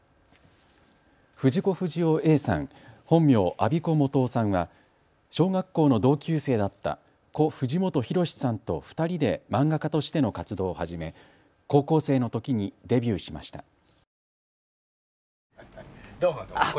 藤子不二雄Ａさん、本名、安孫子素雄さんは小学校の同級生だった故・藤本弘さんと２人で漫画家としての活動を始め高校生のときにデビューしました。